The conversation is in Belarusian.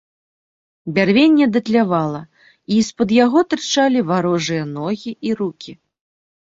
Бярвенне датлявала, і з-пад яго тырчалі варожыя ногі і рукі.